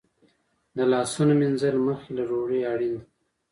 د لاسونو مینځل مخکې له ډوډۍ اړین دي.